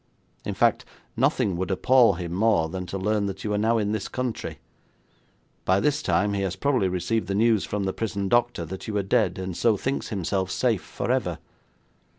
In fact, nothing would appal him more than to learn that you are now in this country. By this time he has probably received the news from the prison doctor that you are dead, and so thinks himself safe for ever.'